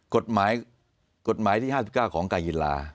กฎหมายที่๕๙ของการกีฬา